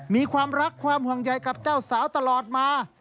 มีความรักความห่วงใยกับเจ้าสาวตลอดมา